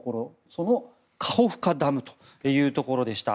そのカホフカダムというところでした。